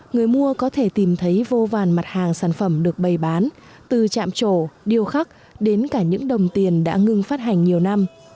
người mua có thể tìm thấy vô vàn mặt hàng sản phẩm được bày bán từ chạm chỗ điêu khắc đến cả những đồng tiền đã ngưng phát hành nhiều năm